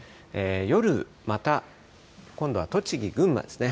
夜、また今度は栃木、群馬ですね。